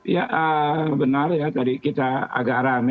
ya benar ya tadi kita agak rame